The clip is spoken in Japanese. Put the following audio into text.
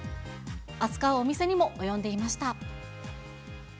扱うお店にも及んでいました。